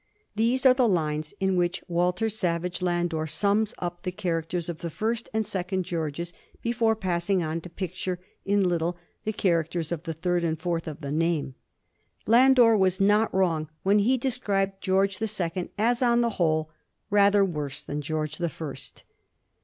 ^ These are the lines in which Walter Savage Landor sums up the characters of the first and second Georges before passing on to picture in little the characters of the third and fourth of the name. Landor was not wrong when he described George the Second as, on the whole, rather worse than George the First.